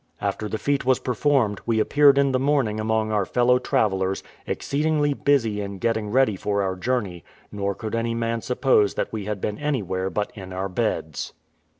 After the feat was performed, we appeared in the morning among our fellow travellers, exceedingly busy in getting ready for our journey; nor could any man suppose that we had been anywhere but in our beds.